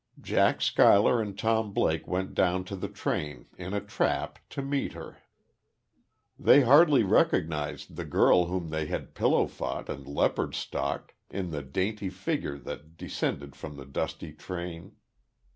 Jack Schuyler and Tom Blake went down to the train, in a trap, to meet her. They hardly recognized the girl with whom they had pillow fought and leopard stalked in the dainty figure that descended from the dusty train.